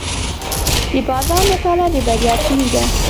د بازار مطالعه د بریا کلي ده.